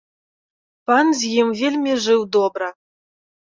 Пан з ім вельмі жыў добра.